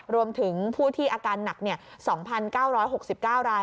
รวมถึงผู้ที่อาการหนัก๒๙๖๙ราย